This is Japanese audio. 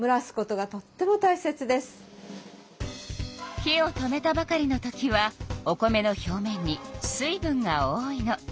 火を止めたばかりのときはお米の表面に水分が多いの。